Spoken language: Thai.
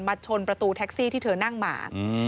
ชนประตูแท็กซี่ที่เธอนั่งมา